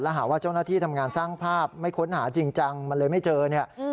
หาว่าเจ้าหน้าที่ทำงานสร้างภาพไม่ค้นหาจริงจังมันเลยไม่เจอเนี่ย